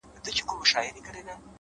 ما په سوغات کي تاته توره توپنچه راوړې’